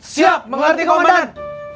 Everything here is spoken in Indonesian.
siap mengerti komandan